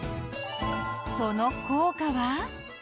その効果は？